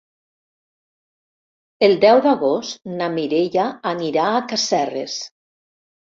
El deu d'agost na Mireia anirà a Casserres.